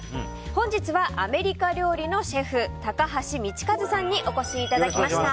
本日は、アメリカ料理のシェフ高橋路和さんにお越しいただきました。